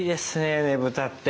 ねぶたって。